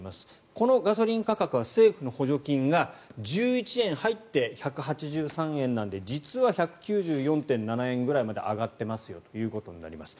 このガソリン価格は政府の補助金が１１円入って１８３円なので実は１９４．７円ぐらいまで上がってますよということになります。